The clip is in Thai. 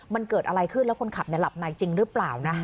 มันเกิดอะไรขึ้นแล้วคนขับหลับในจริงหรือเปล่านะ